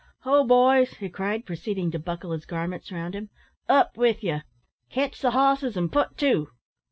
"Ho! boys," he cried, proceeding to buckle his garments round him, "up with you. Ketch the hosses, an' put to.